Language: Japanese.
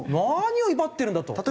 何を威張ってるんだと。